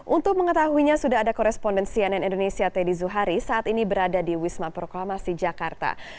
untuk mengetahuinya sudah ada koresponden cnn indonesia teddy zuhari saat ini berada di wisma proklamasi jakarta